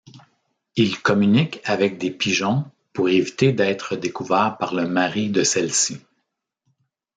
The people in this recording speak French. Ils communiquent avec des pigeons pour éviter d'être découvert par le mari de celle-ci.